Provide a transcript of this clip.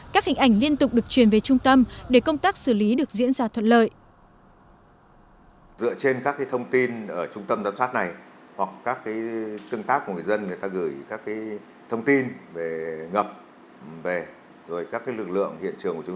các hình ảnh liên tục được truyền về trung tâm để công tác xử lý được diễn ra thuận lợi